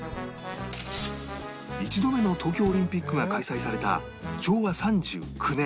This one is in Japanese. １度目の東京オリンピックが開催された昭和３９年